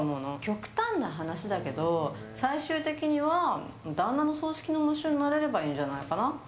極端な話だけど、最終的には旦那の葬式の喪主になれればいいんじゃないかな。